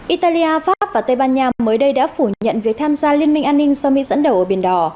italia pháp và tây ban nha mới đây đã phủ nhận việc tham gia liên minh an ninh do mỹ dẫn đầu ở biển đỏ